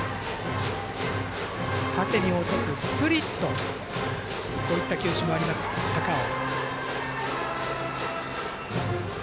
縦に落とすスプリットといった球種もあります、高尾。